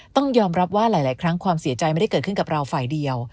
ต้องยอมรับว่าหลายครั้งความเสียใจไม่ได้เกิดขึ้นกับเราฝ่ายเดียว